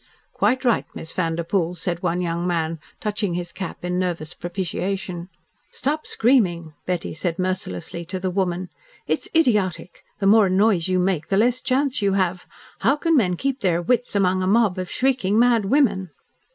"Quite right, Miss Vanderpoel," said one young man, touching his cap in nervous propitiation. "Stop screaming," Betty said mercilessly to the woman. "It's idiotic the more noise you make the less chance you have. How can men keep their wits among a mob of shrieking, mad women?"